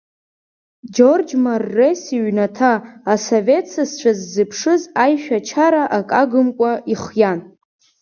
Џьорџь Маррес иҩнаҭа, асовет сасцәа ззыԥшыз, аишәачара ак агымкәа ихиан.